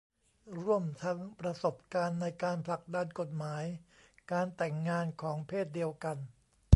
ร่วมทั้งประสบการณ์ในการผลักดันกฎหมายการแต่งงานของเพศเดียวกัน